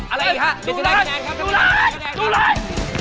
อะไรอีกฮะไม่ได้แขนครับจูนลายจูนลาย